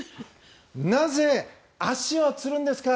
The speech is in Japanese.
なぜ足はつるんですか？